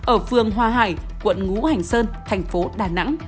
ở phường hoa hải quận ngũ hành sơn thành phố đà nẵng